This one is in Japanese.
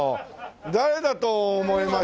誰だと思いました？